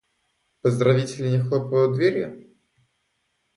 Поздравители не хлопают дверью?